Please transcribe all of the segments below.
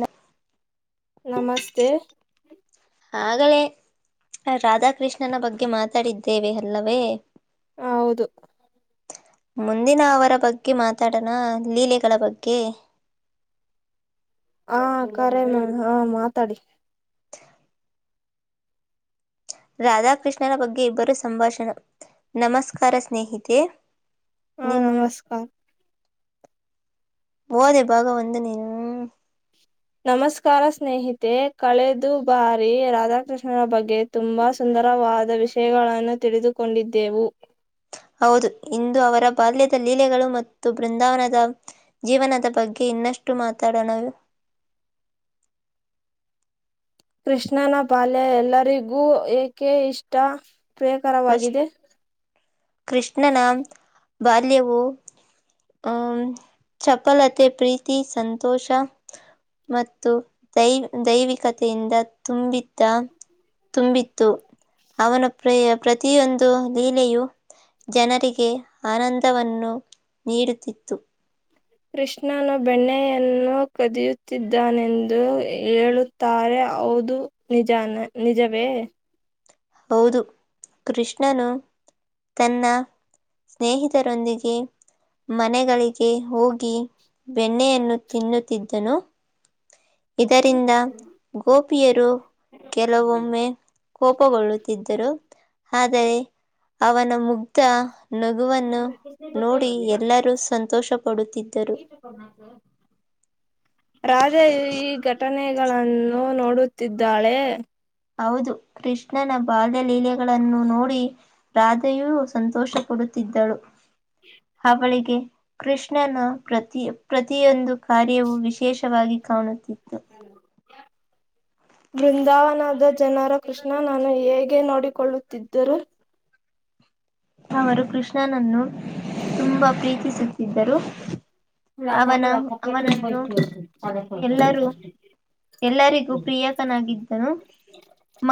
E ನಮಸ್ತೆ ಆಗಲೇ ರಾಧಾಕೃಷ್ಣನ ಬಗ್ಗೆ ಮಾತಾಡಿದ್ದೇವೆ ಅಲ್ಲವೇ ಹೌದು ಮುಂದಿನ ಅವರ ಬಗ್ಗೆ ಮಾತಾಡೋಣ ಲೀಲೆಗಳ ಬಗ್ಗೆ [inaudible] ಹಾ ಕಖರೆ ಮೇ್ ಹಾ ಮಾತಾಡಿ ರಾಧಾಕೃಷ್ಣನ ಬಗ್ಗೆ ಇಬ್ಬರು ಸಂಭಾಷಣ ನಮಸ್ಕಾರ ಸ್ನೇಹಿತೆ ಹಾ ನೀನ್ ಮಾಡ ನಮಸ್ಕಾರ ಬದೆ ಬಾಗ ಒಂದು ನೀನು ನಮಸ್ಕಾರ ಸ್ನೇಹಿತೆ ಕಳೆದು ಬಾರಿ ರಾಧಾಕೃಷ್ಣನ ಬಗ್ಗೆ ತುಂಬಾ ಸುಂದರ ರವಾದ ವಿಷಯಗಳನ್ನು ತಿಳಿದುಕೊಂಡಿದ್ದೆವು ಹೌದು ಇಂದು ಅವರ ಬಾಲ್ಯದ ಲೀಲೆಗಳು ಮತ್ತು ಬೃಂದಾವನದ ಜೀವನದ ಬಗ್ಗೆ ಇನ್ನಷ್ಟು ಮಾತಾಡೋಣ [unintelligible] ಕೃಷ್ಣನ ಬಾಲ್ಯ ಎಲ್ಲರಿಗೂ ಏಕೆ ಇಷ್ಟ ಫಸ್ಟ್ ಪ್ರಿಯಕರವಾಗಿದೆ ಕೃಷ್ಣನ ಬಾಲ್ಯವು ಆಂ ಚಪಲತೆ ಪ್ರೀತಿ ಸಂತೋಷ ಮತ್ತು ದೈವ್ ದೈವಿಕತೆಯಿಂದ ತುಂಬಿದ್ದ ತುಂಬಿತ್ತು ಅವನ ಪ್ರ ಪ್ರತಿಯೊಂದು ಲೀಲೆಯು ಜನರಿಗೆ ಆನಂದವನ್ನು ನೀಡುತ್ತಿತ್ತು ಕೃಷ್ಣನು ಬೆಣ್ಣೆಯನ್ನು ಕದಿಯುತ್ತಿದ್ದಾನೆಂದು ಹೇಳುತ್ತಾರೆ ಹೌದು ನಿಜ ನಿಜವೇ ಹೌದು ಕೃಷ್ಣನು ತನ್ನ ಸ್ನೇಹಿತರೊಂದಿಗೆ ಮನೆಗಳಿಗೆ ಹೋಗಿ ಬೆಣ್ಣೆಯನ್ನು ತಿನ್ನುತ್ತಿದ್ದನು ಇದರಿಂದ ಗೋಪಿಯರು ಕೆಲವೊಮ್ಮೆ ಕೋಪ ಆದರೆ ಅವನ ಮುಗ್ಧ ನಗುವನ್ನು ನೋಡಿ ಎಲ್ಲರೂ ಸಂತೋಷ ಪಡುತ್ತಿದ್ದರು [inaudible] ರಾಧೆ ಈ ಘಟನೆಗಳನ್ನು ನೋಡುತ್ತಿದ್ದಾಳೆ ಹೌದು ಕೃಷ್ಣನ ಬಾಲ್ಯಲೀಲೆಗಳನ್ನು ನೋಡಿ ರಾಧೆಯೂ ಸಂತೋಷ ಪಡು ಳು ಹಾವಳಿಗೆ ಕೃಷ್ಣನ ಪ್ರತಿ ಪ್ರತಿಯೊಂದು ಕಾರ್ಯವು ವಿಶೇಷವಾಗಿ ಕಾಣುತ್ತಿತ್ತು [unintelligible] [inaudible] [inaudible] ಬೃಂದಾವನದ ಜನರ ಕೃಷ್ಣ ನಾನ ಹೇಗೆ ನೋಡಿಕೊಳ್ಳುತ್ತಿದ್ದರು ಅವರು ಕೃಷ್ಣನನ್ನು ತುಂಬಾ ಪ್ರೀತಿಸುತ್ತಿದ್ದರು ಅವನ ಅವನನ್ನು ಎಲ್ಲರೂ ಎಲ್ಲರಿಗೂ ಪ್ರಿಯಾಕನಾಗಿದ್ದನು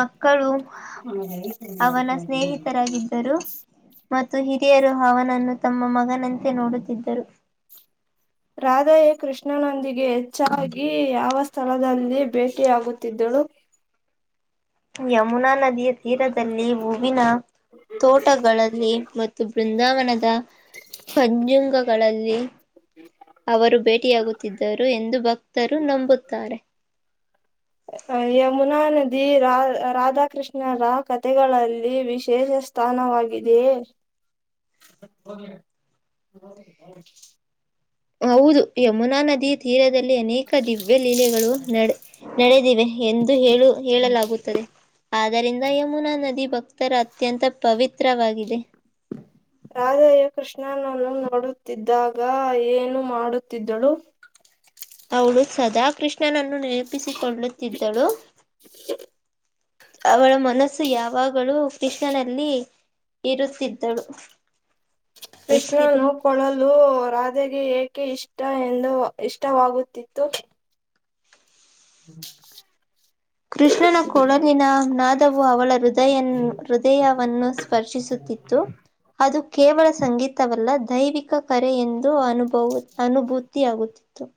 ಮಕ್ಕಳು ಅವನ ಸ್ನೇಹಿತರಾಗಿದ್ದರು ಮತ್ತು ಹಿರಿಯರು ಅವನನ್ನು ತಮ್ಮ ಮಗನಂತೆ ನೋಡುತ್ತಿದ್ದರು ರಾಧಯೇ ಕೃಷ್ಣನೊಂದಿಗೆ ಹೆಚ್ಚಾಗಿ ಯಾವ ಸ್ಥಳದಲ್ಲಿ ಭೇಟಿಯಾಗುತ್ತಿದ್ದಳು [inaudible] ಯಮುನಾ ನದಿಯ ತೀರದಲ್ಲಿ ಹೂವಿನ ತೋಟಗಳಲ್ಲಿ ಮತ್ತು ಬೃಂದಾವನದ ಕಂಜುಂಗಗಳಲ್ಲಿ ಅವರು ಭೇಟಿಯಾಗುತ್ತಿದ್ದರು ಎಂದು ಭಕ್ತರು ನಂಬುತ್ತಾರೆ ಯಮುನಾ ನದಿ ರಾ ರಾಧಾಕೃಷ್ಣರ ಕಥೆಗಳಲ್ಲಿ ವಿಶೇಷ ಸ್ಥಾನವಾಗಿದೆಯೇ [unintelligible] ಹೌದು ಯಮುನಾ ನದಿ ತೀರದಲ್ಲಿ ಅನೇಕ ದಿವ್ಯಲೀಲೆಗಳು ನಡೆ ನಡೆದಿವೆ ಎಂದು ಹೇಳು ಹೇಳಲಾಗುತ್ತದೆ ಆದ್ದರಿಂದ ಯಮುನಾ ನದಿ ಭಕ್ತ ಉತ್ತರ ಅತ್ಯಂತ ಪವಿತ್ ರಾಧಾಯ ಕೃಷ್ಣ ನಾನಾನು ನೋಡುತ್ತಿದ್ದಾಗ ಏನು ಮಾಡುತ್ತಿದ್ದಳು ಅವಳ ಸದಾ ಕೃಷ್ಣನನ್ನು ನೆ ತಪ್ಪಿಸಿಕೊಳ್ಳುತ್ತಿದ್ದಳು ಅವಳ ಮನಸ್ಸು ಯಾವಾಗಲೂ ಕೃಷ್ಣನಲ್ಲಿ ಇರುತ್ತಿದ್ದಳು ಎತ್ತಿರು ಕೃಷ್ಣನು ಕೊಳಲು ರಾದ್ ಅದಗೆ ಏಕೆ ಇಷ್ಟ ಎಂದು ಇಷ್ಟವಾಗುತ್ತಿತ್ತು [inaudible] ಕೃಷ್ಣನ ಕೊಳಲಿನ ನಾದವು ಅವಳ ಹೃದ ಹೃದಯ ಹೃದಯವನ್ನು ಸ್ಪರ್ಶಿಸುತ್ತಿತ್ತು ಅದು ಕೇವಲ ಸಂಗೀತವಲ್ಲ ದೈವಿಕ ಕರೆ ಎಂದು ಅನು ಅನುಭೂತಿಯಾಗುತ್ತ [inaudible]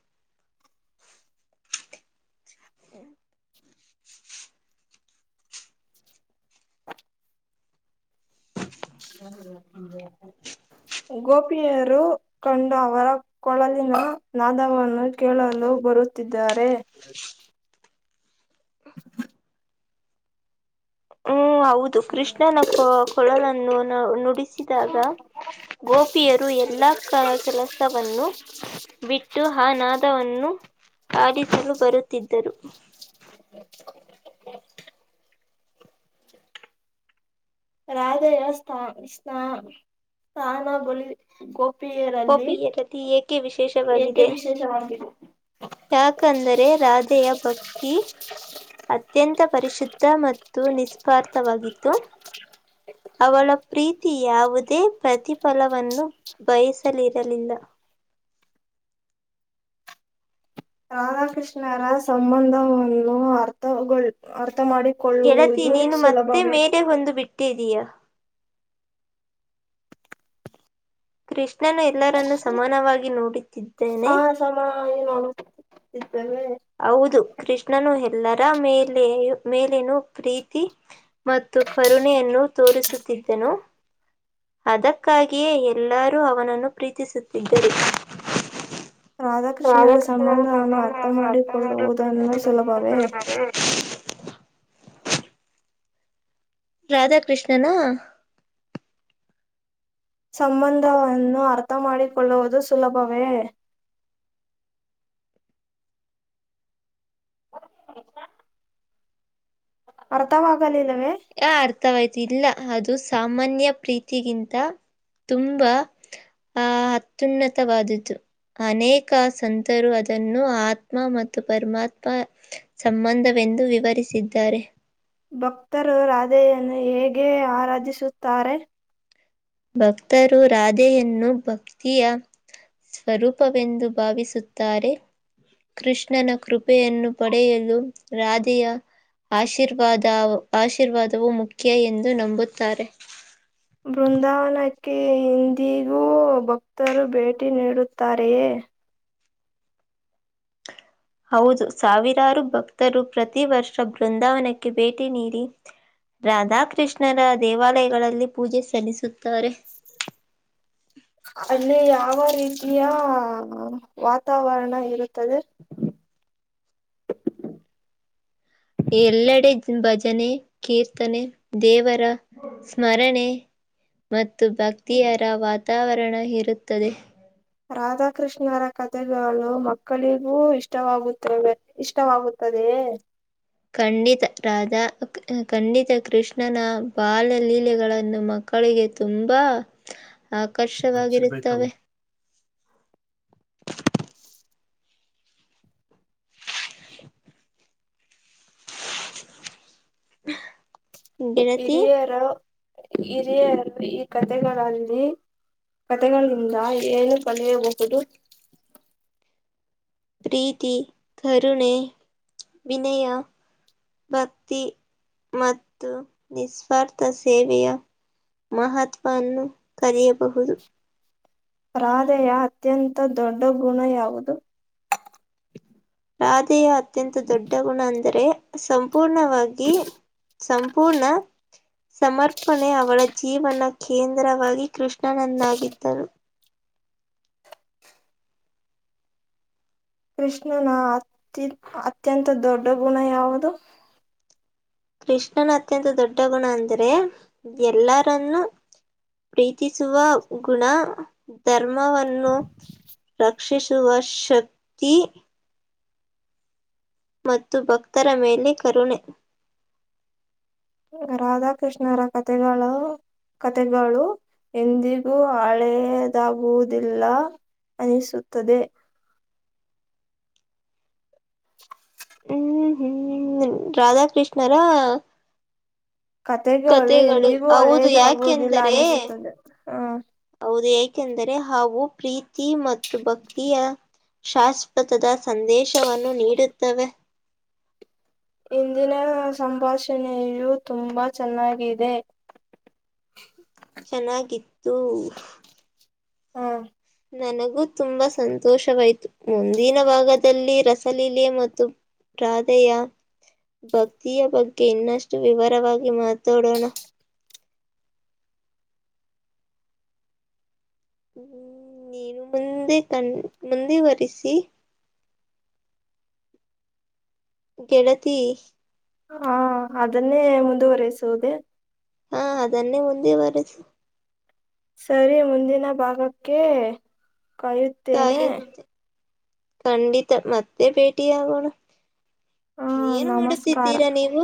[inaudible] ಗೋಪಿಯರು ಕಂಡ ಅವರ ಕೊಳಲಿನ ನಾದವನ್ನು ಕೇಳಲು ಬರುತ್ತಿದ್ದಾರೆ [inaudible] [inaudible] ಹ್ಮ ಹೌದು ಕೃಷ್ಣನ ಕೊಳಲನ್ನು ಬಿಸಿದಾಗ ಗೋಪಿಯರು ಎಲ್ಲಾ ಕೆಲಸವನ್ನು ಬಿಟ್ಟು ಆ ನಾದವನ್ನು ಆಡಿಸಲು ಬರುತ್ತಿದ್ದರು [inaudible] ರಾಧೆಯ ಸ್ಥಾನ ಸ್ನ ಸ್ಥಾನ ಬಲಿ ಗೊ ಕೋಪಿಯ ರತಿ ಏಕೆ ಏಕೆ ವಿಶೇಷವಾಗಿದೆ ವಿಶೇಷವಾಗಿದೆ ಯಾಕಂದರೆ ರಾಧೆಯ ಭಕ್ತಿ ಅತ್ಯಂತ ಪರಿಶುದ್ಧ ಮತ್ತು ನಿಸ್ಪಾರ್ಥವಾಗಿತ್ತು ಅವಳ ಪ್ರೀತಿ ಯಾವುದೇ ಪ್ರತಿಫಲವನ್ನು ಬಯಸಲಿರಲಿಲ್ಲ [inaudible] ರಾಧಾಕೃಷ್ಣರ ಸಂಬಂಧವನ್ನು ಅರ್ಥಗಳ್ ಗೆಳತಿ ನೀನು ಮತ್ತೆ ಮೇಲೆ ಒಂದು ಬಿಟ್ಟಿದೀಯಾ ಕೃಷ್ಣನು ಎಲ್ಲರನ್ನೂ ಸಮಾನವಾಗಿ ಹಾ ನೋಡುತ್ತಿದ್ದಾನೆ. ಸಮಾಧಾನವಾಗಿ ನೋಡು ಹೌದು ಕೃಷ್ಣನು ಎಲ್ಲರ ಮೇಲೇ ಮೇಲೇನು ಪ್ರೀತಿ ಮತ್ತು ಕರುಣೆಯನ್ನು ತೋರಿಸುತ್ತಿದ್ದನು. ಅದಕ್ಕಾಗಿಯೇ ಎಲ್ಲರೂ ಅವನನ್ನು ಪ್ರೀತಿಸುತ್ತಿದ್ದರು ರಾಧಾಕೃಷ್ಣರ ರಾಧಾಕೃಷ್ಣ ಸಂಬಂಧವನ್ನು ತಮ್ಮಾನವನ್ನು ಅರ್ಥ ಮಾಡಿಕೊಳ್ಳುವುದನ್ನು ಮಾಡಕೊಳೋದು ಸುಲಭವೇ ಸುಲಭವೆ ರಾಧಾಕೃಷ್ಣನು ಸಂಬಂಧವನ್ನು ಅರ್ಥ ಮಾಡಿಕೊಳ್ಳುವುದು ಸುಲಭವೇ [unintelligible] ಅರ್ಥಾವಾಗಲಿಲ್ಲ ಆ ಅರ್ಥವಾಯ್ತು ಇಲ್ಲ ಅದು ಸಾಮಾನ್ಯ ಪ್ರೀತಿಗಿಂತ ತುಂಬಾ ಆ ಅತ್ಯುನ್ನವಾದುದ್ದು ಅನೇಕ ಸಂತರು ಅದನ್ನು ಆತ್ಮ ಮತ್ತು ಪರಮಾತ್ಮ ಸಂಬಂಧವೇ ಎಂದು ವಿವರಿಸಿದ್ದಾರೆ. ಭಕ್ತರು ರಾಧೆಯನ್ನು ಹೇಗೆ ಆರಾಧಿಸುತ್ತಾರೆ. ಭಕ್ತರು ರಾಧೆಯನ್ನು ಭಕ್ತಿಯ ಸ್ವರೂಪವೆಂದು ಭಾವಿಸುತ್ತಾರೆ ಕೃಷ್ಣನ ಕೃಪೆಯನ್ನು ಪಡೆಯಲು ರಾಧೆಯ ಆಶೀರ್ವಾದ ಆಶೀರ್ವಾದವು ಮುಖ್ಯ ಎಂದು ನಂಬುತ್ತಾರೆ. ಬೃಂದಾವನಕ್ಕೆ ಇಂದಿಗೂ ಭಕ್ತರು ಭೇಟಿ ನೀಡುತ್ತಾರೆಯೇ ಹೌದು ಸಾವಿರಾರು ಭಕ್ತರು ಪ್ರತಿ ವರ್ಷ ಬೃಂದಾವನಕ್ಕೆ ಭೇಟಿ ನೀಡಿ ರಾಧಾಕೃಷ್ಣರ ದೇವಾಲಯಗಳಲ್ಲಿ ಪೂಜೆ ಸಲ್ಲಿಸುತ್ತಾರೆ [inaudible] ಅಲ್ಲಿ ಯಾವ ರೀತಿಯ ವಾತಾವರಣ ಇರುತ್ತದೆ [inaudible] ಎಲ್ಲೆಡೆ ಭಜನೆ ಕೀರ್ತನೆ ದೇವರ ಸ್ಮರಣೆ ಮತ್ತು ಭಕ್ತಿಯರ ವಾತಾವರಣ ಇರುತ್ತದೆ ರಾಧಾಕೃಷ್ಣರ ಕಥೆಗಳು ಮಕ್ಕಳಿಗೂ ಇಷ್ಟವಾಗುತ್ತವೆ ಇಷ್ಟವಾಗುತ್ತವೆ ದೇ ಖಂಡಿತ ರಾಧಾ ಖಂಡಿತ ಕೃಷ್ಣನ ಬಾಲಲೀಲೆಗಳನ್ನು ಮಕ್ಕ ಮಕ್ಕಳಿಗೆ ತುಂಬಾ ಆಕರ್ಷವಾಗಿರುತ್ತವೆ [inaudible] [inaudible] ಗೆಳತಿ, ಹಿರಿಯರ ಹಿರಿಯರು ಈ ಕಥೆಗಳಲ್ಲಿ ಕಥೆಗಳಿಂದ ಏನು ಕಲಿಯಬಹುದು ಪ್ರೀತಿ ಕರುಣೆ ವಿನಯ ಭಕ್ತಿ ಮತ್ತು ನಿಸ್ವಾರ್ಥ ಸೇವೆಯ ಮಹತ್ವವನ್ನು ಕರೆಯಬಹುದು ರಾಧೆಯ ಅತ್ಯಂತ ದೊಡ್ಡ ಗುಣ ಯಾವುದು ರಾಧೆಯ ಅತ್ಯಂತ ದೊಡ್ಡ ಗುಣ ಅಂದರೆ ಸಂಪೂರ್ಣವಾಗಿ ಸಂಪೂರ್ಣ ಸಮರ್ಪಣೆ ಅವಳ ಜೀವನ ಕೇಂದ್ರವಾಗಿ ಕೃಷ್ಣನಂದಾಗಿದ್ದರು ಕೃಷ್ಣನ ಅತಿ ಅತ್ಯಂತ ದೊಡ್ಡ ಗುಣ ಯಾವುದು ಕೃಷ್ಣನ ಅತ್ಯಂತ ದೊಡ್ಡ ಗುಣ ಅಂದ್ರೆ ಎಲ್ಲರನ್ನು ಪ್ರೀತಿಸುವ ಗುಣ ಧರ್ಮವನ್ನು ರಕ್ಷಿಸುವ ಶಕ್ತಿ ಮತ್ತು ಭಕ್ತರ ಮೇಲೆ ಕರುಣೆ ರಾಧಾಕೃಷ್ಣರ ಕಥೆಗಳು ಕತೆಗಳು ಎಂದಿಗೂ ಹಳೆಯದಾಗುವುದಿಲ್ಲ ಅನಿಸುತ್ತದೆ ಹ್ಮ್ ಹ್ಮ್ ರಾಧಾಕೃಷ್ಣರ ಕಥೆಗಳು ಕತೆಗಳು ಎಂದಿಗೂ ಹೌದು ಹಳೆಯದಾಗುವುದಿಲ್ಲ ಯಾಕೆಂದರೆ ಅನಿಸುತ್ತದೆ ಹ ಹೌದು ಏಕೆಂದರೆ ಹಾವು ಪ್ರೀತಿ ಮತ್ತು ಭಕ್ತಿಯ ಶಾಶ್ವತದ ಸಂದೇಶವನ್ನು ನೀಡುತ್ತವೆ ಇಂದಿನ ಸಂಭಾಷಣೆಯೂ ತುಂಬಾ ಚೆನ್ನಾಗಿದೆ ಚೆನ್ನಾಗಿತ್ತು ಹ್ಮ ನನಗೂ ತುಂಬಾ ಸಂತೋಷವಾಯಿತು ಮುಂದಿನ ಭಾಗದಲ್ಲಿ ರಸಲೀಲೆ ಮತ್ತು ರಾಧಯಾ ಭಕ್ತಿಯ ಬಗ್ಗೆ ಇನ್ನಷ್ಟು ವಿವರವಾಗಿ ಮಾತಾಡೋಣ ಹ್ಮ ನೀನು ಮುಂದೆ ಕಣ್ ಮುಂದೆುವರಿಸಿ ಗೆಳತಿ ಹಾ ಅದನ್ನೇ ಮುಂದುವರೆಸುವುದೇ ಹಾ ಅದನ್ನೇ ಮುಂದೆ ವರೆಸು ಸರಿ ಮುಂದಿನ ಭಾಗಕ್ಕೆ ಕಾಯುತ್ತೇನೆ ಕಂಡಿತ ಮತ್ತೆ ಪೇಟಿಯಾಗೋಣ ಹ ಏನು ಮಾಡುತ್ತಿದ್ದೀರಾ ನೀವು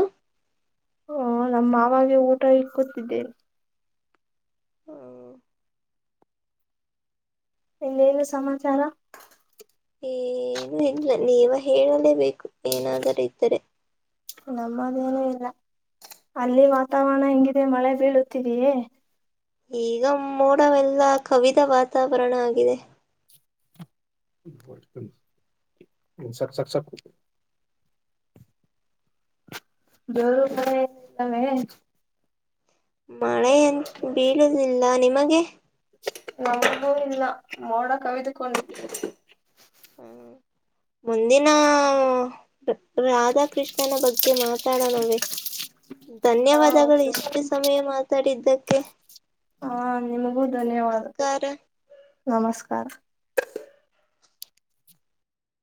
ಹಓ ನಮ್ಮ ಮಾವಾಗೆ ಊಟ ಇಕ್ಕೊತಿದ್ದೇ ಹ ಇನ್ನೇನು ಸಮಾಚಾರ ಏನು ಇಲ್ಲ ನೀವ ಹೇಳಲೇಬೇಕು ಏನಾದರೂ ಇದ್ದರೆ ನಮ್ಮದೇನೂ ಇಲ್ಲ ಅಲ್ಲಿ ವಾತಾವರಣ ಹಿಂಗಿದೆ ಮಳೆ ಬೀಳುತ್ತಿದೆಯೇ ಈಗ ಮೋಡವೆಲ್ಲ ಕವಿದ ವಾತಾವರಣ ಆಗಿದೆ ಸಕ್ ಸಕ್ ಸ ದವರು ಮ ಇರ್ತವೆ ಮಳೆ ಎಂ ಬೀಳುದಿಲ್ಲ ನಿಮಗೆ ನಮಗೂ ಇಲ್ಲ ಮೋಡ ಕವಿದುಕೊಂಡ ಹ್ಮ್ ಮುಂದಿನ ರಾಧಾಕೃಷ್ಣನ ಬಗ್ಗೆ ಮಾತಾಡೋಣವೇ ಹಾ ಧನ್ಯವಾದಗಳು ಇಷ್ಟು ಸಮಯ ಮಾತಾಡಿದ್ದಕ್ಕೆ ಹಾ ನಿಮಗೂ ಧನ್ಯವಾದ ನಮಸ್ಕಾರ ನಮಸ್ಕಾರ